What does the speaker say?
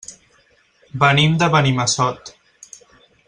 Venim de Benimassot.